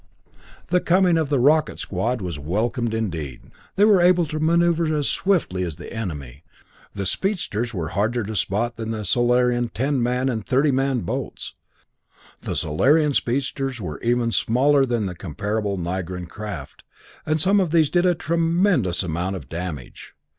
The coming of the Rocket Squad was welcome indeed! They were able to maneuver as swiftly as the enemy; the speedsters were harder to spot than the Solarian ten man and thirty man boats. The Solarian speedsters were even smaller than the comparable Nigran craft, and some of these did a tremendous amount of damage.